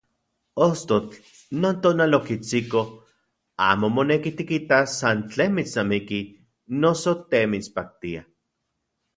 Ostotl non tonal okitsiko amo moneki tikitas san tlen mitsnamiki noso te mitspaktia.